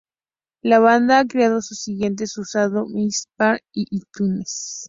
La banda ha creado sus siguientes usando MySpace y iTunes.